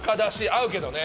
合うけどね。